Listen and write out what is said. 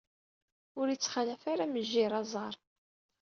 Ur ittxalaf ara mejjir aẓar.